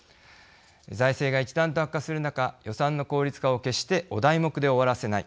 財政が一段と悪化する中予算の効率化を決してお題目で終わらせない。